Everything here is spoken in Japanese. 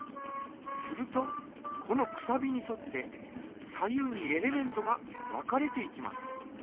するとこのくさびにそって左右にエレメントが分かれていきます。